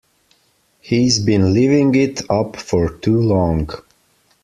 He's been living it up for too long.